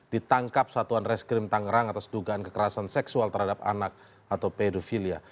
ditangkap satuan reskrim tangerang atas dugaan kekerasan seksual terhadap anak atau pedofilia